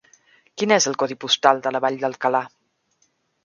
Quin és el codi postal de la Vall d'Alcalà?